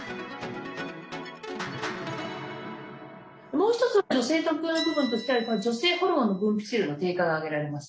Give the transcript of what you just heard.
もう一つ女性特有の部分としては女性ホルモンの分泌量の低下が挙げられます。